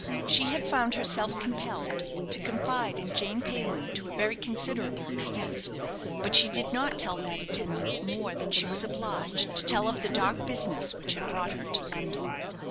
She had found herself compelled to confide in Jane Payland to a very considerable extent; but she did not tell that attendant more than she was obliged to tell of the dark business which had brought her to London.